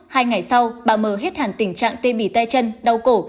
hai ngày sau bà mờ hết hẳn tình trạng tê bỉ tay chân đau cổ